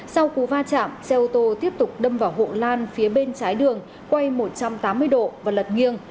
sau cú va chạm xe ô tô tiếp tục đâm vào hộ lan phía bên trái đường quay một trăm tám mươi độ và lật nghiêng